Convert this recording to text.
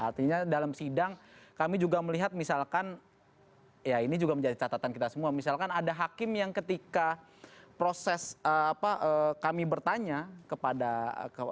artinya dalam sidang kami juga melihat misalkan ya ini juga menjadi catatan kita semua misalkan ada hakim yang ketika proses kami bertanya kepada kpk